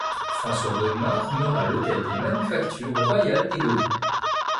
François Bonnemar meurt à l'hôtel des manufactures royales des Gobelins.